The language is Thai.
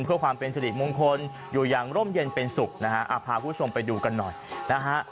เพื่อความเป็นสิริมงคลอยู่อย่างร่มเย็นเป็นสุขนะฮะพาคุณผู้ชมไปดูกันหน่อยนะฮะ